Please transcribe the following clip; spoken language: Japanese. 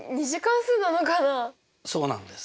そうなんです。